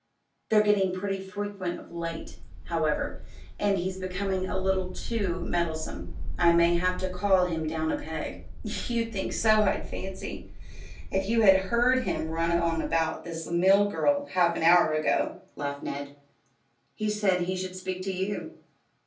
They're getting pretty frequent of late, however, and he's becoming a little too meddlesome. I may have to call him down a peg." "You'd think so, I fancy, if you had heard him run on about this mill girl half an hour ago," laughed Ned. "He said he should speak to you."